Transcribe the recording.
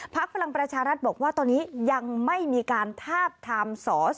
พลังประชารัฐบอกว่าตอนนี้ยังไม่มีการทาบทามสส